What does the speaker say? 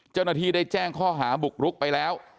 เจ้าหน้าที่ได้แจ้งข้อหาบุกรุกไปแล้ว